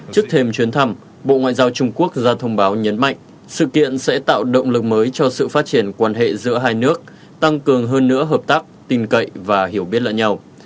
trước thêm chuyến thăm bộ ngoại giao trung quốc ra thông báo nhấn mạnh sự kiện sẽ tạo động lực mới cho sự phát triển quan hệ giữa hai nước tăng cường hơn nữa hợp tác tin cậy và hiểu biết lẫn nhau